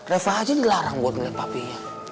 reva aja dilarang buat ngelepapinnya